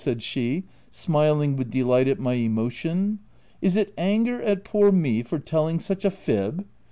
said she, smiling with delight at my emotion. " Is it anger at poor me for telling such a fib